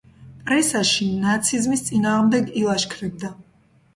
პრესაში ნაციზმის წინააღმდეგ ილაშქრებდა.